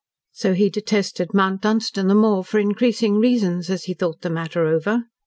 So he detested Mount Dunstan the more for increasing reasons, as he thought the matter over.